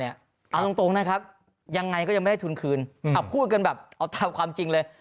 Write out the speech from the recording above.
เอาตรงนะครับยังไงก็ยังไม่ได้ทุนคืนเอาพูดกันแบบเอาตามความจริงเลย